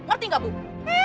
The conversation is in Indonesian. ngerti gak bu